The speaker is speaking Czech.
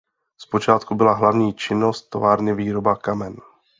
Z počátku byla hlavní činností továrny výroba kamen.